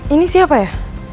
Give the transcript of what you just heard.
ini siapa ya